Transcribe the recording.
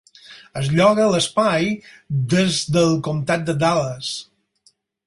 Es lloga l'espai des del comtat de Dallas.